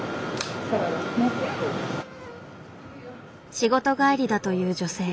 仕事帰りだという女性。